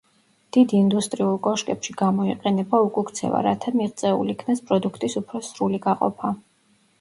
დიდ ინდუსტრიულ კოშკებში გამოიყენება უკუქცევა, რათა მიღწეულ იქნას პროდუქტის უფრო სრული გაყოფა.